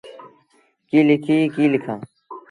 ڪيٚ ليٚکي ڪيٚ لکآݩ۔